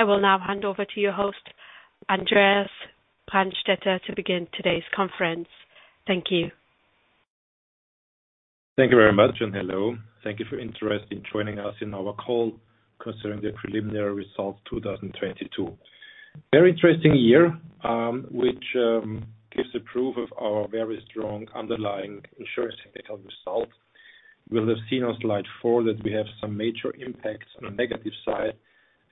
I will now hand over to your host, Andreas Brandstetter, to begin today's conference. Thank you. Thank you very much, and hello. Thank you for interest in joining us in our call concerning the preliminary results 2022. Very interesting year, which gives the proof of our very strong underlying insurance technical result. We'll have seen on slide four that we have some major impacts on the negative side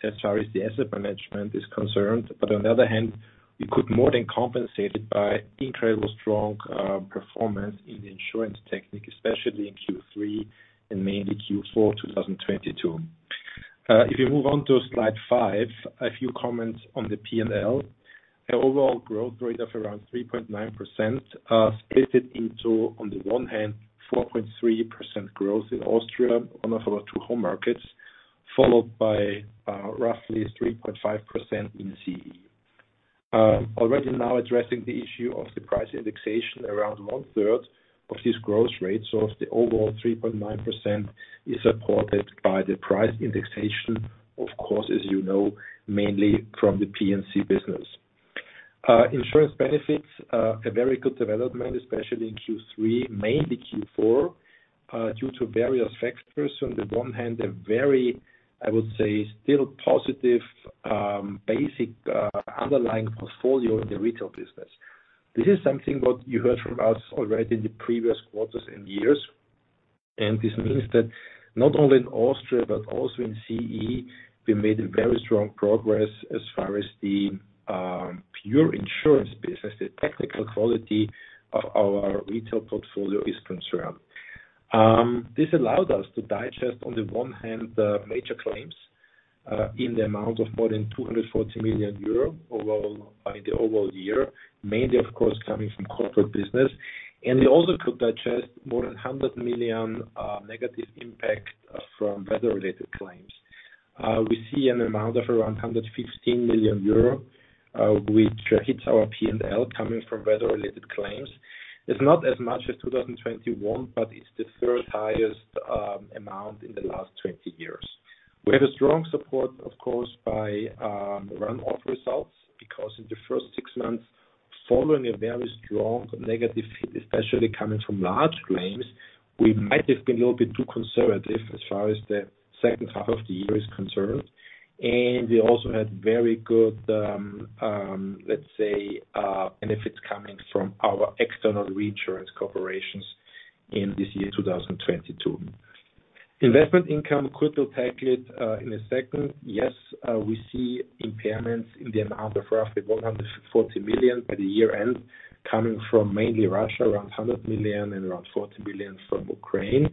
as far as the asset management is concerned. On the other hand, we could more than compensate it by incredible strong performance in the insurance technique, especially in Q3 and mainly Q4 2022. If you move on to slide five, a few comments on the P&L. An overall growth rate of around 3.9%, split it into, on the one hand, 4.3% growth in Austria, one of our two home markets, followed by roughly 3.5% in CE. Already now addressing the issue of the price indexation, around one-third of this growth rate, so of the overall 3.9% is supported by the price indexation, of course, as you know, mainly from the P&C business. Insurance benefits, a very good development, especially in Q3, mainly Q4, due to various factors. On the one hand, a very, I would say, still positive, basic, underlying portfolio in the retail business. This is something what you heard from us already in the previous quarters and years. This means that not only in Austria but also in CE, we made a very strong progress as far as the pure insurance business, the technical quality of our retail portfolio is concerned. This allowed us to digest, on the one hand, the major claims in the amount of more than 240 million euro overall by the overall year, mainly, of course, coming from corporate business. We also could digest more than 100 million negative impact from weather-related claims. We see an amount of around 115 million euro which hits our P&L coming from weather-related claims. It's not as much as 2021, but it's the third highest amount in the last 20 years. We have a strong support, of course, by runoff results, because in the first six months, following a very strong negative, especially coming from large claims, we might have been a little bit too conservative as far as the second half of the year is concerned. We also had very good benefits coming from our external reinsurance corporations in this year, 2022. Investment income, we'll tackle it in a second. We see impairments in the amount of roughly 140 million by the year-end, coming from mainly Russia, around 100 million and around 40 million from Ukraine.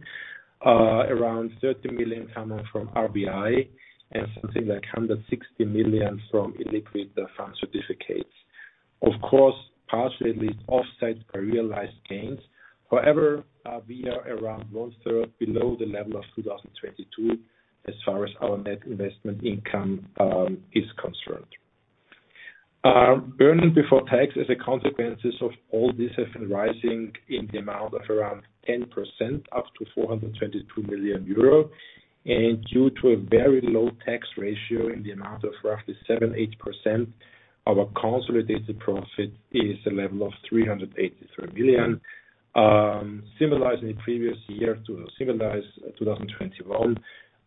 Around 30 million coming from RBI and something like 160 million from illiquid fund certificates. Partially offset by realized gains. However, we are around one-third below the level of 2022 as far as our net investment income is concerned. Earning before tax, as a consequences of all this, have been rising in the amount of around 10%, up to 422 million euro. Due to a very low tax ratio in the amount of roughly 7%-8%, our consolidated profit is a level of 383 million. Similar as in the previous year to similar as 2021,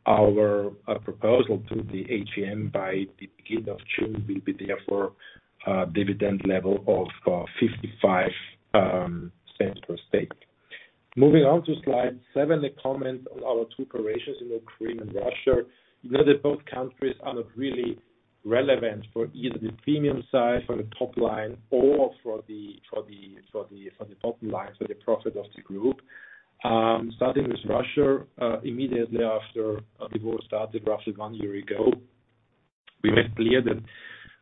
our proposal to the AGM by the beginning of June will be therefore a dividend level of 0.55 per stake. Moving on to slide seven, a comment on our two operations in Ukraine and Russia. You know that both countries are not really relevant for either the premium side, for the top line or for the bottom line, for the profit of the group. Starting with Russia, immediately after the war started, roughly one year ago, we made clear that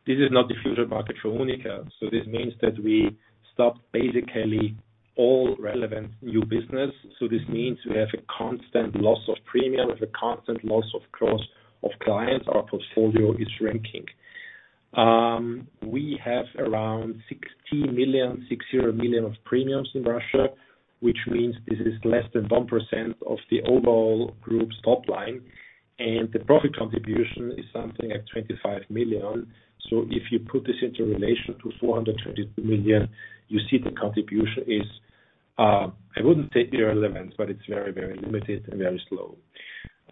this is not the future market for UNIQA. This means that we stopped basically all relevant new business. This means we have a constant loss of premium, we have a constant loss, of course, of clients. Our portfolio is shrinking. We have around 60 million of premiums in Russia, which means this is less than 1% of the overall group's top line, and the profit contribution is something like 25 million. If you put this into relation to 422 million, you see the contribution is, I wouldn't say irrelevant, but it's very, very limited and very slow.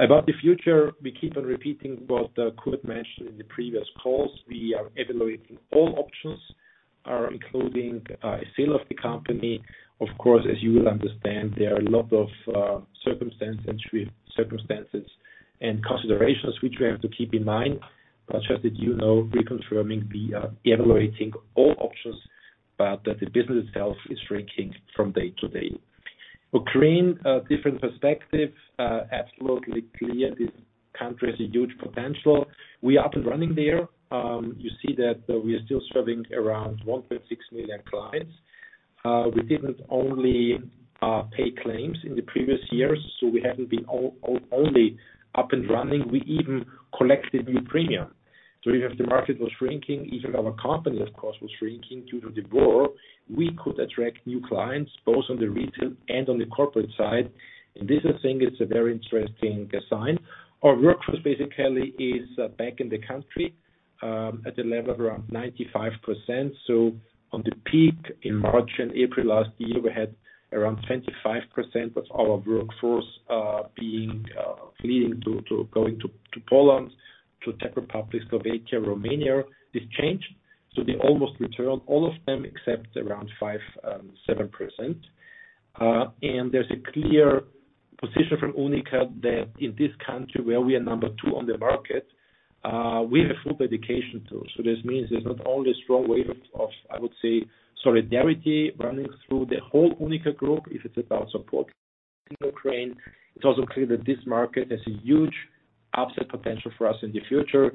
About the future, we keep on repeating what Kurt mentioned in the previous calls. We are evaluating all options, including sale of the company. Of course, as you will understand, there are a lot of circumstances and considerations which we have to keep in mind. Just that you know, reconfirming we are evaluating all options, but that the business itself is shrinking from day to day. Ukraine, a different perspective. Absolutely clear this country has a huge potential. We are up and running there. You see that we are still serving around 1.6 million clients. We didn't only pay claims in the previous years, we haven't been only up and running. We even collected new premium. Even if the market was shrinking, even our company, of course, was shrinking due to the war, we could attract new clients, both on the retail and on the corporate side. This, I think, is a very interesting sign. Our workforce basically is back in the country at a level around 95%. On the peak in March and April last year, we had around 25% of our workforce being fleeing to Poland, to Czech Republic, Slovakia, Romania. This changed. They almost returned, all of them, except around 5, 7%. There's a clear position from UNIQA that in this country where we are number two on the market, we have full dedication too. This means there's not only a strong wave of, I would say, solidarity running through the whole UNIQA group, if it's about supporting Ukraine, it's also clear that this market has a huge upside potential for us in the future.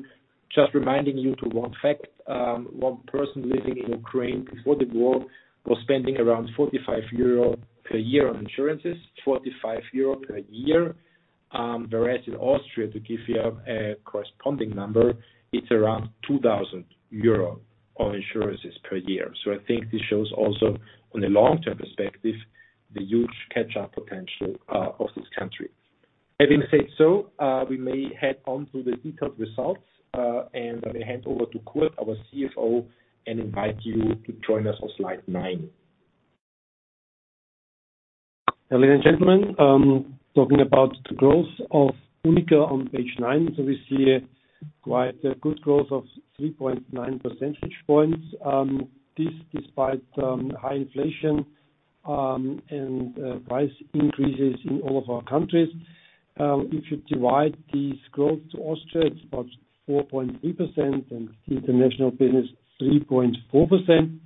Just reminding you to one fact, one person living in Ukraine before the war was spending around 45 euro per year on insurances. 45 euro per year, whereas in Austria, to give you a corresponding number, it's around 2,000 euro on insurances per year. I think this shows also, on a long-term perspective, the huge catch-up potential of this country. Having said so, we may head on to the detailed results, and I hand over to Kurt, our CFO, and invite you to join us on slide nine. Ladies and gentlemen, talking about the growth of UNIQA on page nine. We see quite a good growth of 3.9 percentage points. This despite high inflation and price increases in all of our countries. If you divide this growth to Austria, it's about 4.3%, and international business, 3.4%.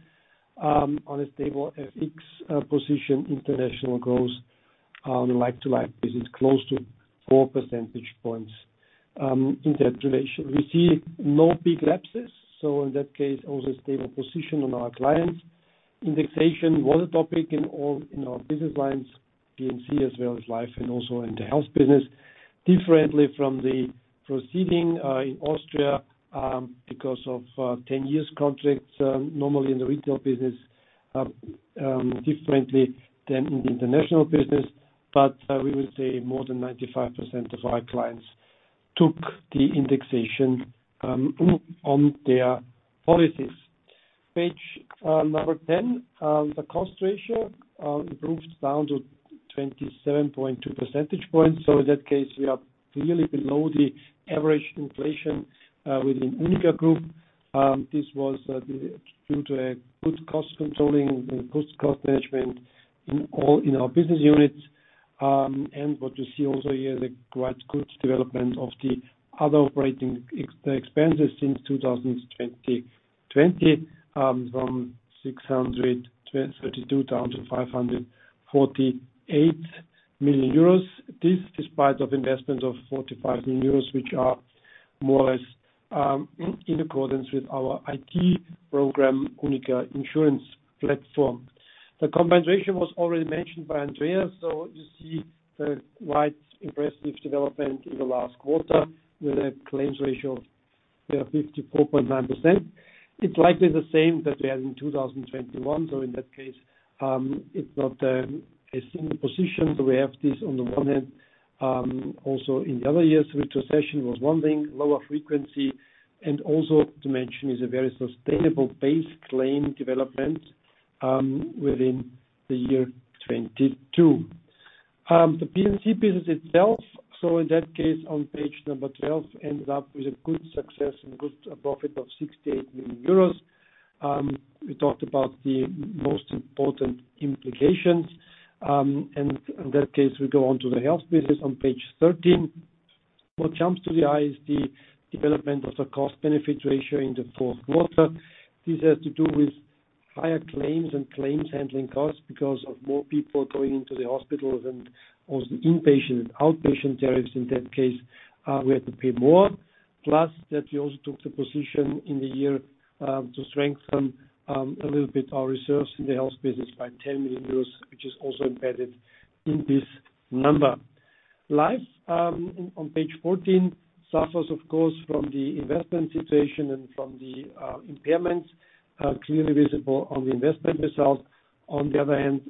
On a stable FX position, international growth, like to like, this is close to 4 percentage points in that relation. We see no big lapses, so in that case, also a stable position on our clients. Indexation was a topic in all, in our business lines, P&C as well as life, and also in the health business. Differently from the proceeding, in Austria, because of 10-year contracts, normally in the retail business, differently than in the international business. We would say more than 95% of our clients took the indexation on their policies. Page number 10, the cost ratio improved down to 27.2 percentage points. In that case, we are clearly below the average inflation within UNIQA Group. This was due to a good cost controlling and good cost management in all our business units. What you see also here, the quite good development of the other operating expenses since 2020, from 632 million down to 548 million euros. This despite of investments of 45 million euros, which are more or less in accordance with our IT program, UNIQA Insurance Platform. The combination was already mentioned by Andreas, you see a quite impressive development in the last quarter with a claims ratio of 54.9%. It's likely the same that we had in 2021, so in that case, it's not a single position. We have this on the one hand, also in the other years, retrocession was one thing, lower frequency, and also to mention, is a very sustainable base claim development within the year 2022. The P&C business itself, so in that case on page number 12, ends up with a good success and good profit of 68 million euros. We talked about the most important implications. In that case, we go on to the health business on page 13. What jumps to the eye is the development of the cost-benefit ratio in the fourth quarter. This has to do with higher claims and claims handling costs because of more people going into the hospitals and also inpatient and outpatient tariffs. In that case, we had to pay more. Plus that we also took the position in the year to strengthen a little bit our reserves in the health business by 10 million euros, which is also embedded in this number. Life, on page 14, suffers of course from the investment situation and from the impairments clearly visible on the investment results. On the other hand,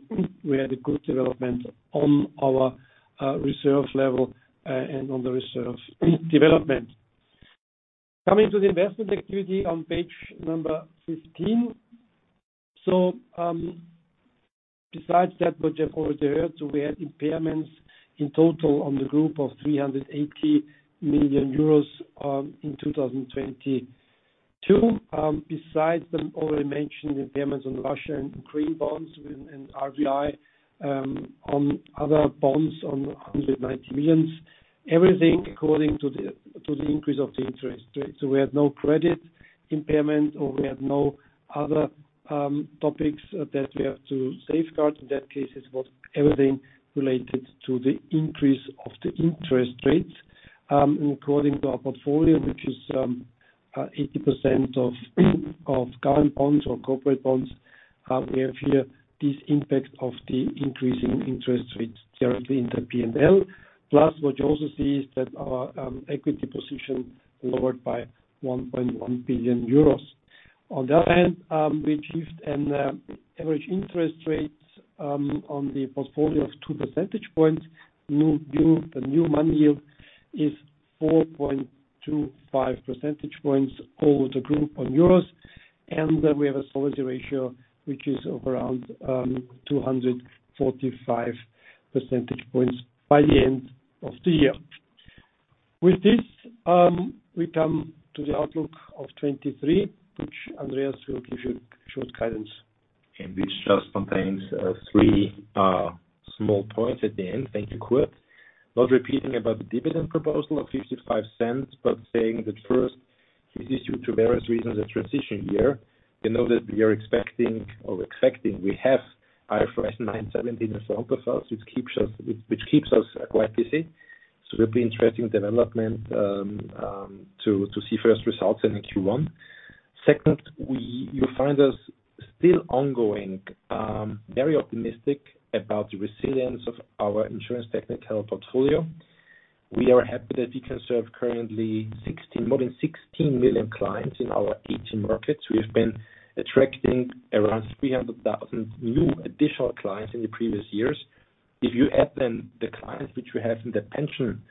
we had a good development on our reserve level and on the reserve development. Coming to the investment activity on page 15. Besides that, what you have already heard, so we had impairments in total on the group of 380 million euros in 2022. Besides the already mentioned impairments on Russia and Ukraine bonds and RVI, on other bonds on 190 million. Everything according to the increase of the interest rates. We had no credit impairment or we had no other topics that we have to safeguard. In that case, it was everything related to the increase of the interest rates. According to our portfolio, which is 80% of current bonds or corporate bonds, we have here this impact of the increasing interest rates directly in the P&L. What you also see is that our equity position lowered by 1.1 billion euros. On the other hand, we achieved an average interest rates on the portfolio of 2 percentage points. The new money yield is 4.25 percentage points over the group on euros. We have a solvency ratio which is around 245 percentage points by the end of the year. With this, we come to the outlook of 2023, which Andreas will give you short guidance. Which just contains three small points at the end. Thank you, Kurt. Not repeating about the dividend proposal of 0.55, but saying that first, this is due to various reasons, a transition year. You know, that we are expecting we have IFRS 9 and IFRS 17 in front of us, which keeps us quite busy. Certainly interesting development to see first results in Q1. Second, you find us still ongoing very optimistic about the resilience of our insurance technical portfolio. We are happy that we can serve currently more than 16 million clients in our 18 markets. We've been attracting around 300,000 new additional clients in the previous years. If you add then the clients which we have in the pension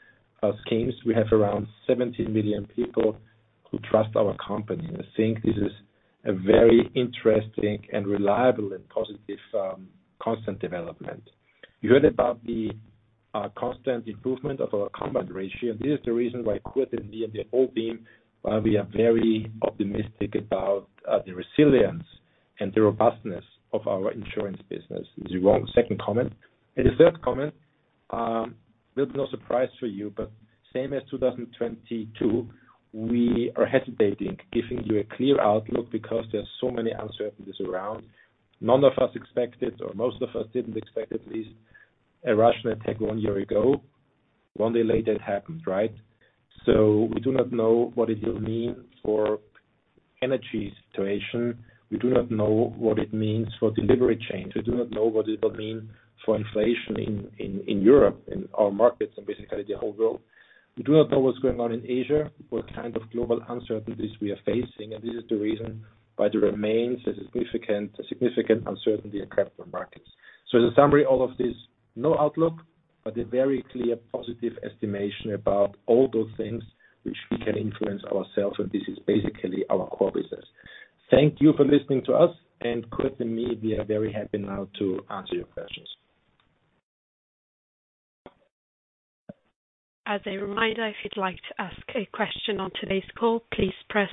schemes, we have around 17 million people who trust our company. I think this is a very interesting and reliable and positive, constant development. You heard about the constant improvement of our combined ratio. This is the reason why Kurt and me and the whole team, why we are very optimistic about the resilience and the robustness of our insurance business. Is your own second comment. The third comment, will be no surprise for you, but same as 2022, we are hesitating giving you a clear outlook because there are so many uncertainties around. None of us expected or most of us didn't expect at least a Russian attack one year ago. One day later it happened, right? We do not know what it will mean for energy situation. We do not know what it means for delivery chain. We do not know what it will mean for inflation in Europe, in our markets, and basically the whole world. We do not know what's going on in Asia, what kind of global uncertainties we are facing. This is the reason why there remains a significant uncertainty in capital markets. In summary, all of this, no outlook, but a very clear positive estimation about all those things which we can influence ourselves. This is basically our core business. Thank you for listening to us, and Kurt and me, we are very happy now to answer your questions. As a reminder, if you'd like to ask a question on today's call, please press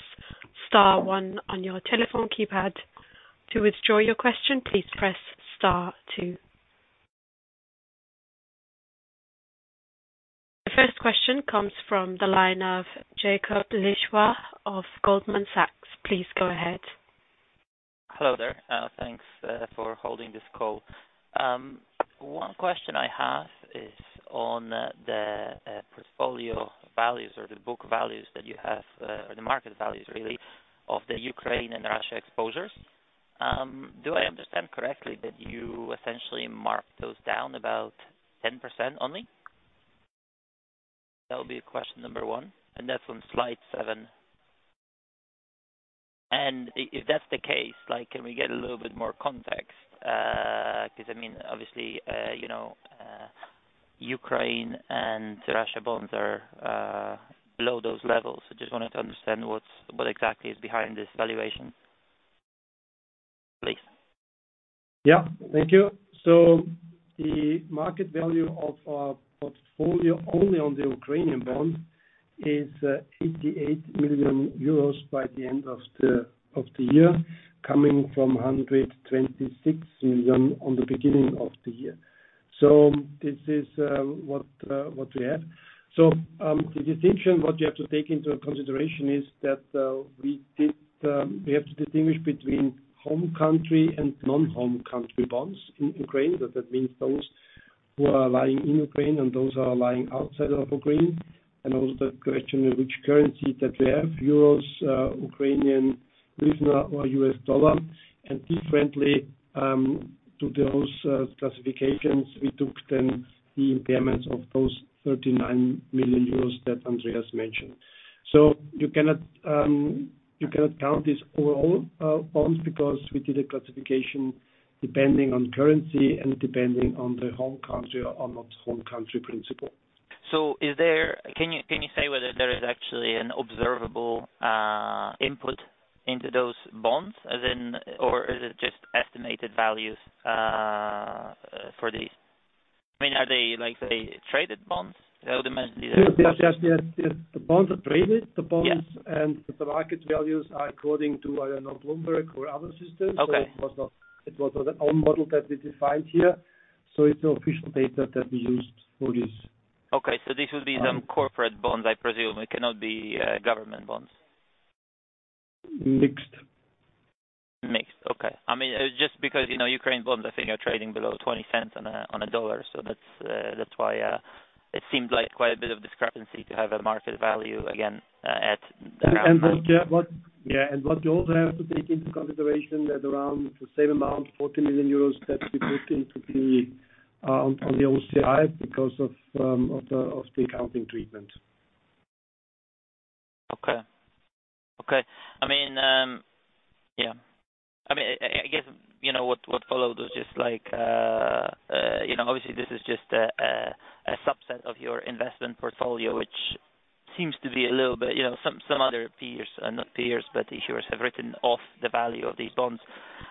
star one on your telephone keypad. To withdraw your question, please press star two. The first question comes from the line of Jakub Lichwa of Goldman Sachs. Please go ahead. Hello there. Thanks for holding this call. One question I have is on the portfolio values or the book values that you have or the market values really of the Ukraine and Russia exposures. Do I understand correctly that you essentially marked those down about 10% only? That'll be question number one, and that's on slide seven. If that's the case, like, can we get a little bit more context? 'Cause I mean, obviously, you know, Ukraine and Russia bonds are below those levels. Just wanted to understand what exactly is behind this valuation, please. Yeah. Thank you. The market value of our portfolio only on the Ukrainian bonds is 88 million euros by the end of the year, coming from 126 million on the beginning of the year. This is what we have. The distinction, what you have to take into consideration is that we have to distinguish between home country and non-home country bonds in Ukraine. That, that means those who are lying in Ukraine and those are lying outside of Ukraine. Also the question is which currency that we have, euros, Ukrainian hryvnia or U.S dollar. Differently, to those classifications, we took then the impairments of those 39 million euros that Andreas mentioned. You cannot count these overall bonds because we did a classification depending on currency and depending on the home country or not home country principle. Can you say whether there is actually an observable input into those bonds or is it just estimated values for these? I mean, are they like, say, traded bonds? I would imagine these are. Yes. Yes. Yes. Yes. The bonds are traded. Yeah. The bonds and the market values are according to, I don't know, Bloomberg or other systems. Okay. It was not an own model that we defined here. It's the official data that we used for this. Okay. This will be some corporate bonds, I presume, it cannot be government bonds. Mixed. Mixed. Okay. I mean, just because, you know, Ukraine bonds, I think, are trading below $0.20 on a dollar. That's why it seemed like quite a bit of discrepancy to have a market value again at. What you also have to take into consideration that around the same amount, 40 million euros, that we put into the on the OCI because of the accounting treatment. Okay. Okay. I mean, yeah. I mean, I guess, you know, what followed was just like, you know, obviously this is just a subset of your investment portfolio, which seems to be a little bit, you know. Some other peers, not peers, but issuers have written off the value of these bonds.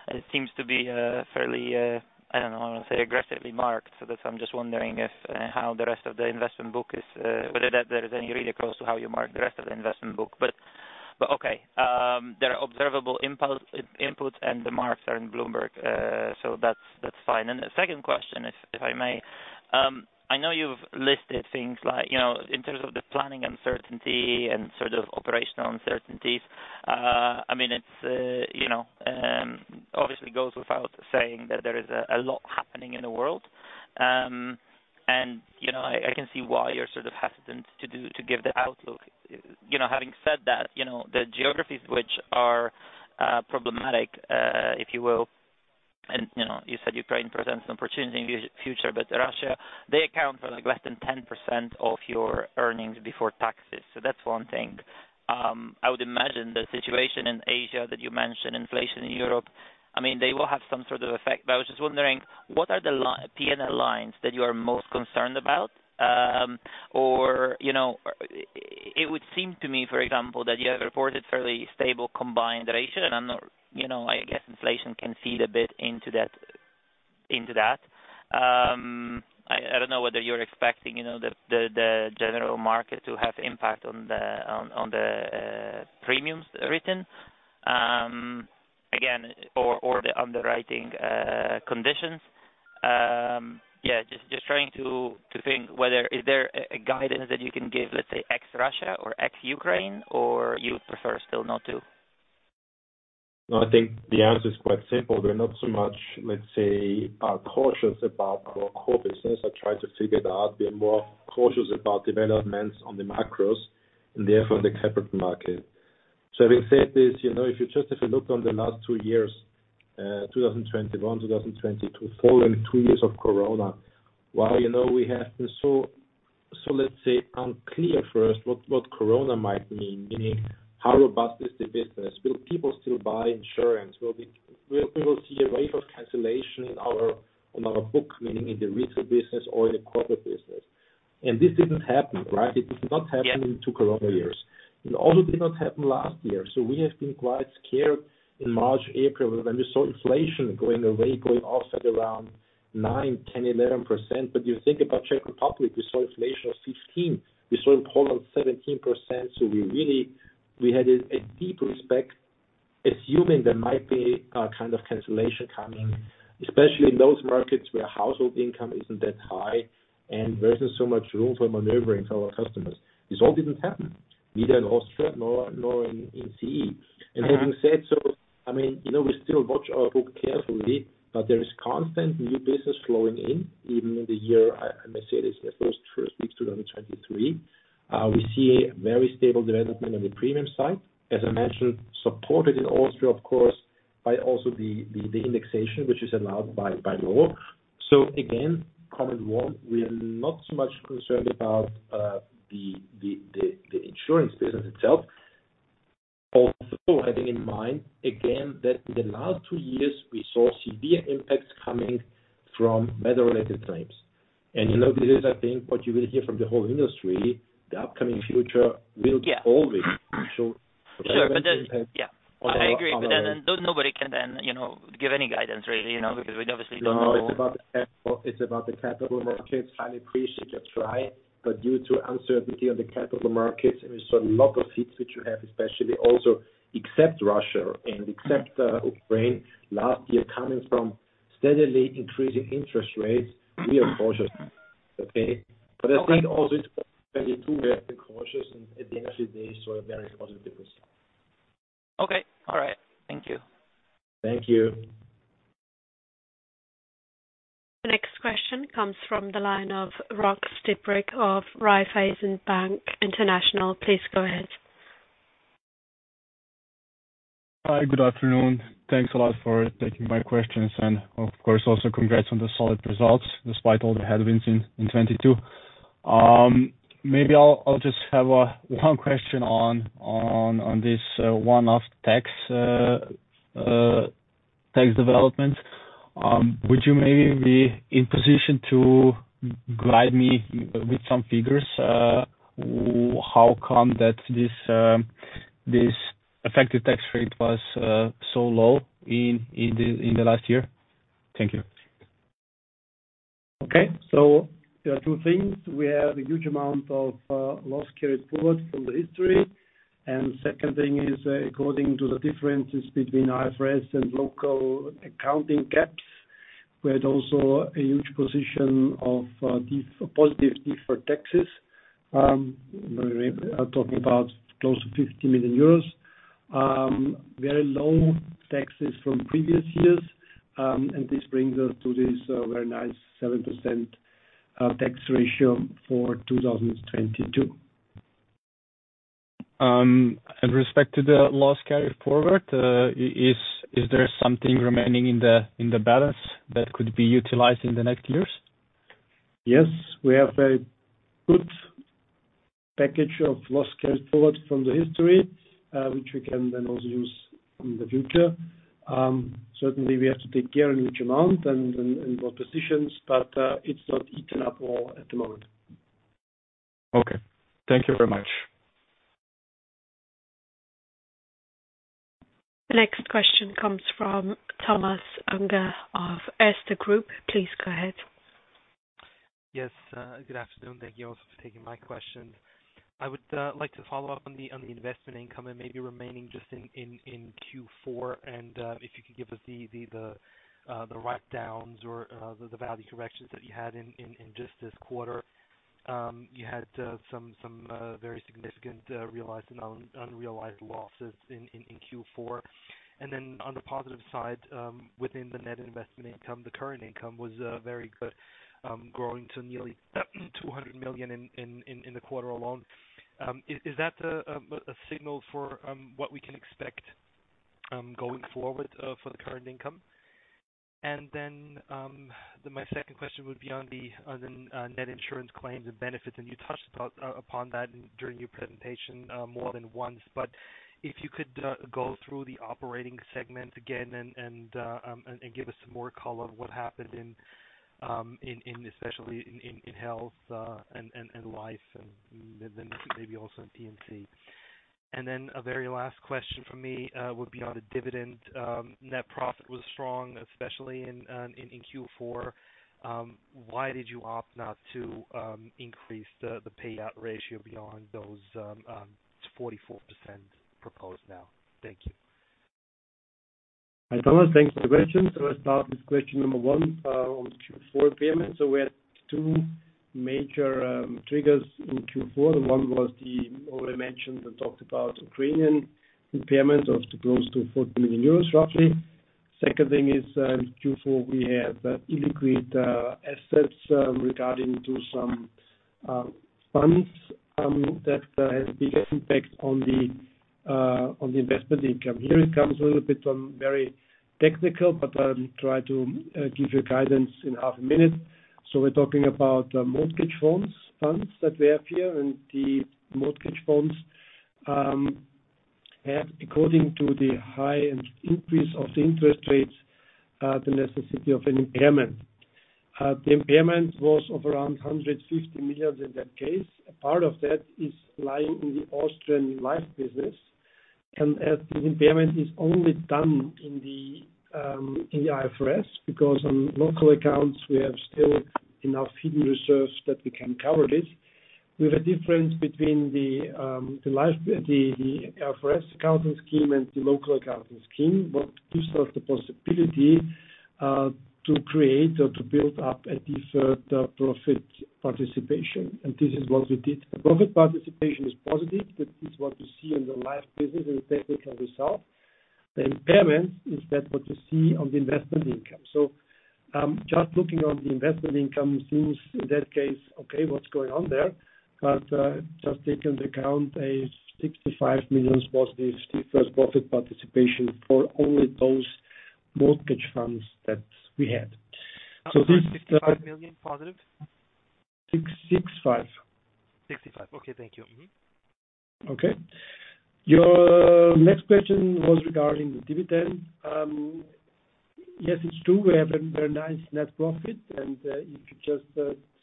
It seems to be fairly, I don't know, I wanna say aggressively marked. That's why I'm just wondering if how the rest of the investment book is, whether that there is any read across to how you mark the rest of the investment book. Okay. There are observable inputs and the marks are in Bloomberg. That's, that's fine. The second question, if I may, I know you've listed things like, you know, in terms of the planning uncertainty and sort of operational uncertainties. I mean, it's, you know, obviously goes without saying that there is a lot happening in the world. You know, I can see why you're sort of hesitant to give the outlook. You know, having said that, you know, the geographies which are problematic, if you will, and, you know, you said Ukraine presents an opportunity in the future, but Russia, they account for, like, less than 10% of your earnings before taxes. That's one thing. I would imagine the situation in Asia that you mentioned, inflation in Europe, I mean, they will have some sort of effect. I was just wondering, what are the P&L lines that you are most concerned about? You know, it would seem to me, for example, that you have reported fairly stable combined ratio, and I'm not... You know, I guess inflation can feed a bit into that, into that. I don't know whether you're expecting, you know, the general market to have impact on the premiums written, again, or the underwriting conditions. Just trying to think whether is there a guidance that you can give, let's say, ex-Russia or ex-Ukraine, or you would prefer still not to? No, I think the answer is quite simple. We're not so much, let's say, cautious about our core business. I try to figure it out. We are more cautious about developments on the macros, and therefore the capital market. Having said this, you know, if you just, if you look on the last two years, 2021, 2022, following two years of Corona, while, you know, we have been so, let's say, unclear first what Corona might mean, meaning how robust is the business? Will people still buy insurance? Will we will see a wave of cancellation in our, on our book, meaning in the retail business or in the corporate business? This didn't happen, right? It did not happen. Yeah. In two Corona years. It also did not happen last year. We have been quite scared in March, April, when we saw inflation going away, going off at around 9%, 10%, 11%. You think about Czech Republic, we saw inflation of 16%. We saw in Poland 17%. We had a deep respect, assuming there might be a kind of cancellation coming, especially in those markets where household income isn't that high, and there isn't so much room for maneuvering for our customers. This all didn't happen, neither in Austria nor in CE. Mm-hmm. Having said so, I mean, you know, we still watch our book carefully, but there is constant new business flowing in, even in the year, I may say this, as well as first week 2023. We see a very stable development on the premium side. As I mentioned, supported in Austria, of course, by also the indexation, which is allowed by law. Again, common one, we are not so much concerned about the insurance business itself. Having in mind, again, that in the last two years, we saw severe impacts coming from weather-related claims. You know, this is, I think, what you will hear from the whole industry. The upcoming future. Yeah. Will always show Sure. Yeah. I agree. Nobody can then, you know, give any guidance really, you know, because we obviously don't know. No, it's about the capital markets. Highly appreciate you try. Due to uncertainty on the capital markets, we saw a lot of hits which you have especially also, except Russia and except Ukraine last year, coming from steadily increasing interest rates, we are cautious. Okay? Okay. I think also it's 2022, we have been cautious, and at the end of the day, saw a very positive result. Okay. All right. Thank you. Thank you. Next question comes from the line of Rok Stibric of Raiffeisen Bank International. Please go ahead. Hi, good afternoon. Thanks a lot for taking my questions, and of course, also congrats on the solid results, despite all the headwinds in 2022. Maybe I'll just have one question on this one-off tax development. Would you maybe be in position to guide me with some figures, how come that this effective tax rate was so low in the last year? Thank you. Okay. There are two things. We have a huge amount of loss carried forward from the history. Second thing is, according to the differences between IFRS and local accounting GAAP, we had also a huge position of positive deferred taxes. We're talking about close to 50 million euros. Very low taxes from previous years. This brings us to this very nice 7% tax ratio for 2022. Respect to the loss carried forward, is there something remaining in the balance that could be utilized in the next years? Yes. We have a good package of loss carry forward from the history, which we can then also use in the future. Certainly we have to take care in which amount and what positions, it's not eaten up all at the moment. Okay. Thank you very much. The next question comes from Thomas Unger of Erste Group. Please go ahead. Yes, good afternoon. Thank you also for taking my question. I would like to follow up on the investment income and maybe remaining just in Q4, and if you could give us the write-downs or the value corrections that you had in just this quarter. You had some very significant realized and unrealized losses in Q4. On the positive side, within the net investment income, the current income was very good, growing to nearly 200 million in the quarter alone. Is that a signal for what we can expect going forward for the current income? Then my second question would be on the net insurance claims and benefits. You touched upon that during your presentation more than once. If you could go through the operating segment again and give us some more color on what happened especially in health and life and then maybe also in P&C. A very last question from me would be on the dividend. Net profit was strong, especially in Q4. Why did you opt not to increase the payout ratio beyond those 44% proposed now? Thank you. Hi, Thomas. Thanks for the question. I start with question number 1 on Q4 impairment. We had two major triggers in Q4. One was the already mentioned and talked about Ukrainian impairment of close to 14 million euros, roughly. Second thing is, in Q4, we have illiquid assets regarding to some funds that has a big impact on the investment income. Here it comes a little bit on very technical, but I'll try to give you guidance in half a minute. We're talking about mortgage funds that we have here, and the mortgage funds have, according to the high increase of the interest rates, the necessity of an impairment. The impairment was of around 150 million in that case. A part of that is lying in the Austrian life business. As the impairment is only done in the IFRS, because on local accounts, we have still enough hidden reserves that we can cover this. We have a difference between the IFRS accounting scheme and the local accounting scheme, but this has the possibility to create or to build up a deferred profit participation. This is what we did. The profit participation is positive. That is what you see in the life business in the technical result. The impairment is that what you see on the investment income. Just looking on the investment income seems in that case, okay, what's going on there? Just take into account 65 million was the first profit participation for only those mortgage funds that we had. So this- 65 million positive? 6-6-5. 65. Okay, thank you. Mm-hmm. Okay. Your next question was regarding the dividend. Yes, it's true. We have a very nice net profit. If you just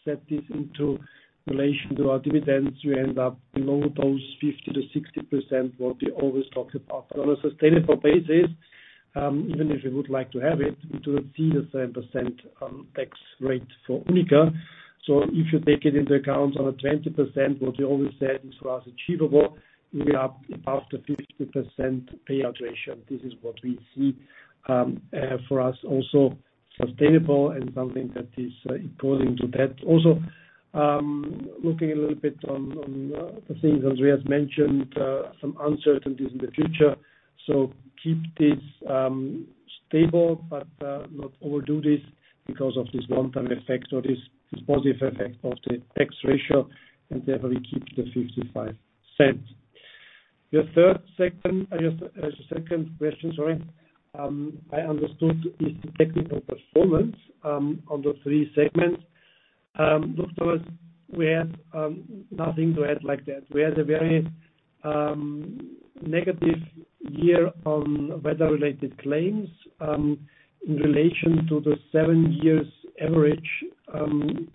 set this into relation to our dividends, we end up below those 50%-60% what we always talk about. On a sustainable basis, even if we would like to have it, we do a 0.7% tax rate for UNIQA. If you take it into account on a 20%, what we always said is for us achievable, we are above the 50% payout ratio. This is what we see for us also sustainable and something that is according to that. Looking a little bit on the things Andreas mentioned, some uncertainties in the future. Keep this stable, but not overdo this because of this long-term effect or this positive effect of the tax ratio, and therefore we keep the 0.55. Your second question, sorry, I understood is the technical performance on the 3 segments. Look for us, we have nothing to add like that. We had a very negative year on weather-related claims. In relation to the seven years average,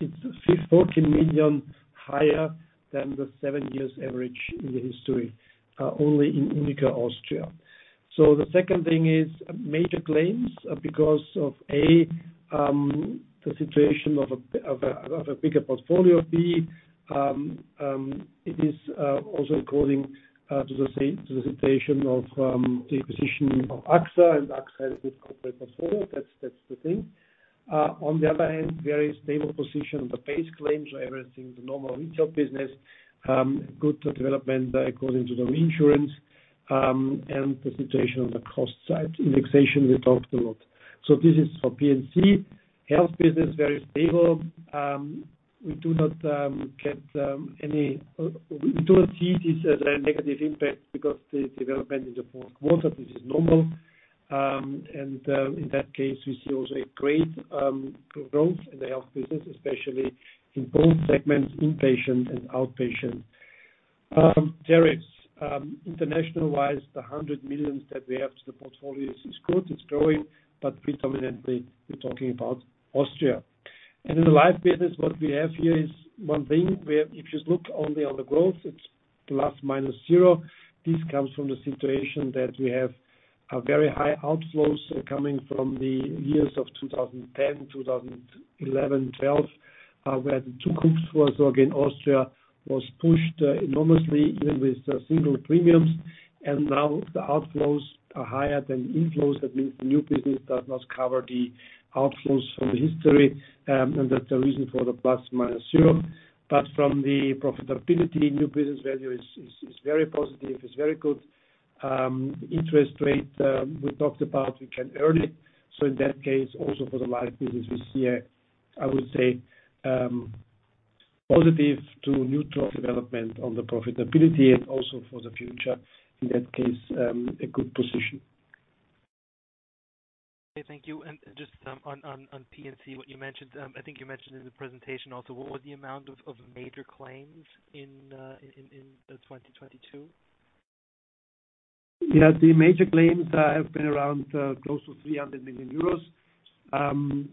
it's 414 million higher than the seven years average in the history, only in UNIQA Austria. The second thing is major claims because of A, the situation of a bigger portfolio. B, it is also according to the situation of the acquisition of AXA, and AXA has a good corporate portfolio. That's the thing. On the other hand, very stable position on the base claims. Everything in the normal retail business. Good development according to the insurance and the situation on the cost side. Indexation, we talked a lot. This is for P&C. Health business, very stable. We do not get any. We do not see this as a negative impact because the development in the fourth quarter, this is normal. In that case, we see also a great growth in the health business, especially in both segments, inpatient and outpatient. There is international-wise, the 100 million that we have. The portfolio is good, it's growing, but predominantly, we're talking about Austria. In the life business, what we have here is one thing where if you look only on the growth, it's plus minus zero. This comes from the situation that we have very high outflows coming from the years of 2010, 2011, 2012, where the two groups were. Again, Austria was pushed enormously even with the single premiums. Now the outflows are higher than inflows. That means the new business does not cover the outflows from the history. That's the reason for the plus minus zero. From the profitability, new business value is very positive. It's very good. Interest rate, we talked about, we can earn it. In that case, also for the life business, we see a, I would say, positive to neutral development on the profitability and also for the future, in that case, a good position. Okay, thank you. Just on P&C, what you mentioned, I think you mentioned in the presentation also, what was the amount of major claims in 2022? The major claims have been around close to 300 million euros,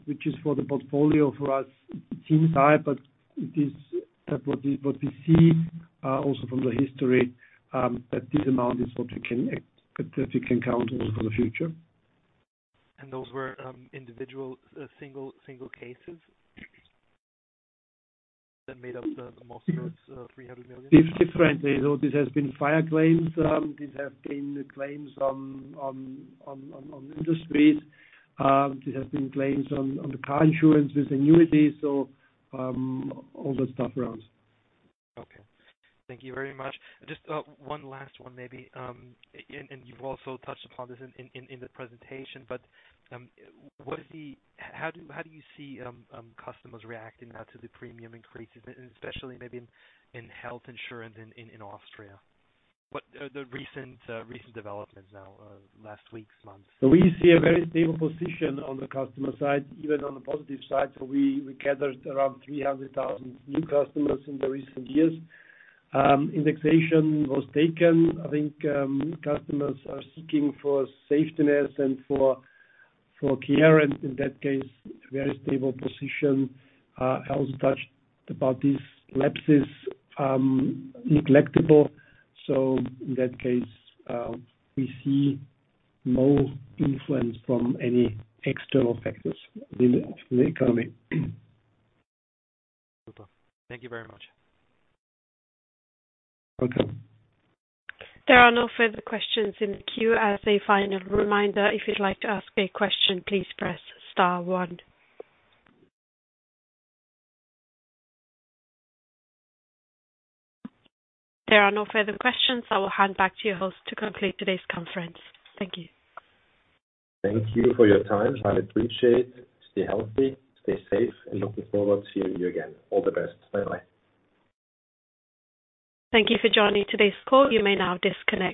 which is for the portfolio for us inside. It is what we see, also from the history, that this amount is what we can count on for the future. Those were individual, single cases that made up the most of those, 300 million? Different. These have been fire claims. These have been claims on industries. These have been claims on the car insurance with annuities. All the stuff around. Okay. Thank you very much. Just one last one maybe. You've also touched upon this in the presentation, How do you see customers reacting now to the premium increases, and especially maybe in health insurance in Austria? What the recent developments now last week's months? We see a very stable position on the customer side, even on the positive side. We gathered around 300,000 new customers in the recent years. Indexation was taken. I think, customers are seeking for safety and for care, and in that case, very stable position. I also touched about these lapses, neglectable. In that case, we see no influence from any external factors within the economy. Super. Thank you very much. Okay. There are no further questions in the queue. As a final reminder, if you'd like to ask a question, please press star one. There are no further questions. I will hand back to your host to complete today's conference. Thank you. Thank you for your time. I appreciate. Stay healthy, stay safe, and looking forward to seeing you again. All the best. Bye-bye. Thank you for joining today's call. You may now disconnect.